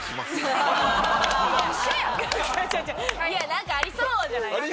なんかありそうじゃないですか。